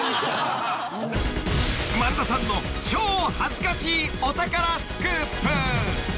［萬田さんの超恥ずかしいお宝スクープ］